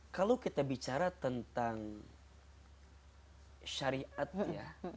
kalau kita bicara tentang syariat ya